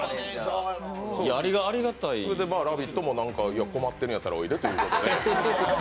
それで「ラヴィット！」も困ってるんやったらおいでっていうことで。